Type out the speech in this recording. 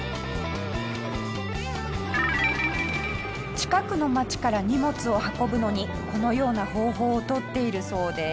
近くの町から荷物を運ぶのにこのような方法を取っているそうです。